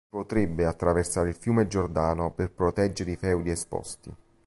Si potrebbe attraversare il fiume Giordano per proteggere i feudi esposti.